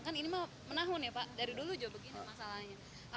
kan ini mah menahun ya pak dari dulu juga begini masalahnya